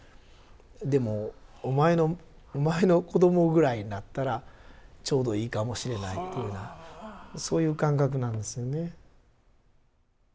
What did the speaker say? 「でもお前の子供ぐらいになったらちょうどいいかもしれない」というようなそういう感覚なんですよね。